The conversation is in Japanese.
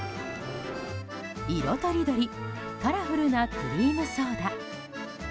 色とりどりカラフルなクリームソーダ。